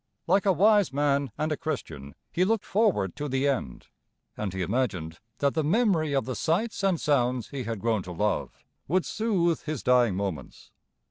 Like a wise man and a Christian, he looked forward to the end; and he imagined that the memory of the sights and sounds he had grown to love would soothe his dying moments.